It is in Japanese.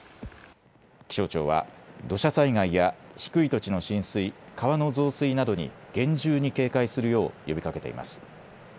気象庁は土砂災害や低い土地の浸水、川の増水などに厳重に警戒するよう呼びかけています。